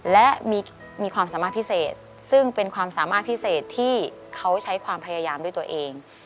และมีความสามารถพิเศษซึ่งเป็นความสามารถพิเศษที่เขาใช้ความพยายามด้วยตัวเอง